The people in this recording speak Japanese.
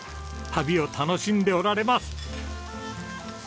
旅を楽しんでおられます。